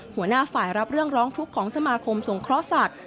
หัวหน้าฝ่ายรับเรื่องร้องทุกข์ของสมาคมสงเคราะห์สัตว์